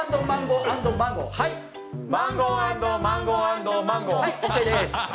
マンゴー＆マンゴー＆マンゴＯＫです。